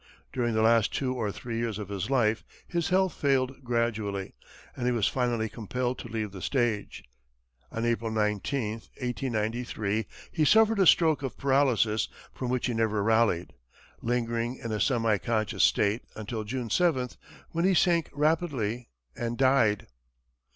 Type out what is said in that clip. During the last two or three years of his life his health failed gradually, and he was finally compelled to leave the stage. On April 19, 1893, he suffered a stroke of paralysis from which he never rallied, lingering in a semi conscious state until June 7th, when he sank rapidly and died.